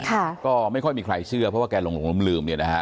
ค่ะก็ไม่ค่อยมีใครเชื่อเพราะว่าแกหลงลืมลืมเนี่ยนะฮะ